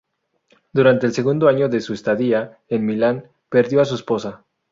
Durante el segundo año de su estadía en Milán, perdió a su esposa.